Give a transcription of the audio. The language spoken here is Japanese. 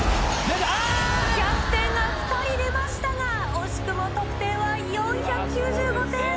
１００点が２人出ましたが惜しくも得点は４９５点。